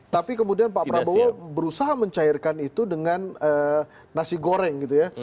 tapi kemudian pak prabowo berusaha mencairkan itu dengan nasi goreng gitu ya